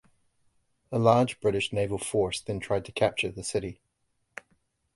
A large British naval force then tried to capture the city.